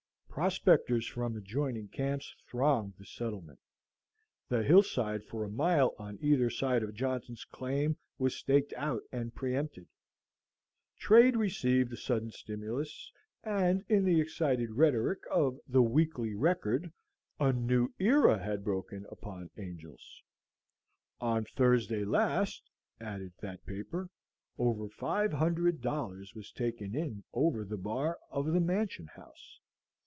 Prospectors from adjoining camps thronged the settlement; the hillside for a mile on either side of Johnson's claim was staked out and pre empted; trade received a sudden stimulus; and, in the excited rhetoric of the "Weekly Record," "a new era had broken upon Angel's." "On Thursday last," added that paper, "over five hundred dollars was taken in over the bar of the Mansion House."